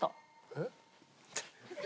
えっ？